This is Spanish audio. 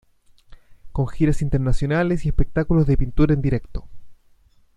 Con giras internacionales y espectáculos de pintura en directo.